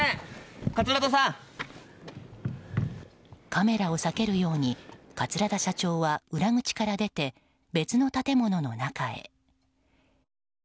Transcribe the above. カメラを避けるように桂田社長は裏口から出て別の建物の中へ。